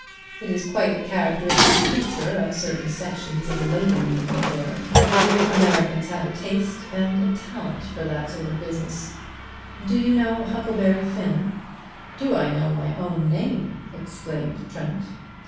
It is quite a characteristic feature of certain sections of the labor movement there. Americans have a taste and a talent for that sort of business. Do you know 'Huckleberry Finn?'" "Do I know my own name?" exclaimed Trent.